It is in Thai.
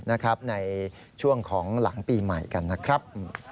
ในช่วงของหลังปีใหม่กันนะครับ